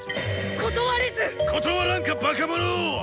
断らんかバカ者！